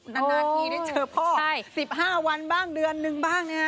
นาทีได้เจอพ่อ๑๕วันบ้างเดือนนึงบ้างนะฮะ